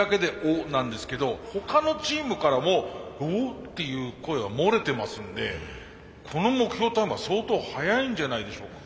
なんですけど他のチームからも「お！」っていう声は漏れてますんでこの目標タイムは相当早いんじゃないでしょうか。